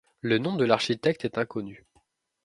Le nom de l’architecte est inconnu.